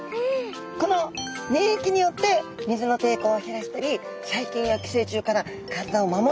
この粘液によって水の抵抗を減らしたり細菌や寄生虫から体を守ると考えられています。